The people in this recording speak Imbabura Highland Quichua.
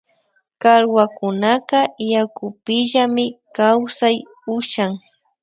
Challwakunaka yakupimillami kawsay ushan